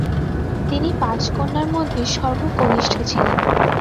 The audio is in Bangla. তিনি পাঁচ কন্যার মধ্যে সর্বকনিষ্ঠ ছিলেন।